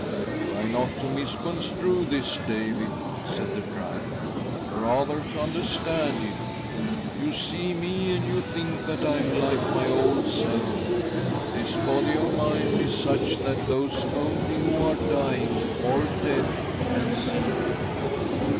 " Try not to misconstrue this, David," said the driver, "but rather to understand it. You see •'• THE DEATH CART me, and you thipk that I am like my old self — but this body of mine is such that those only who are dying or dead can see me.